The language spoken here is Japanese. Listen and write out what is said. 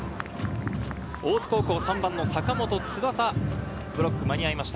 大津高校３番の坂本翼、ブロック間に合いました。